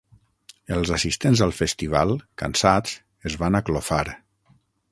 Els assistents al festival, cansats, es van aclofar.